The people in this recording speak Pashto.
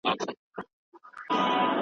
پښتونخوا یې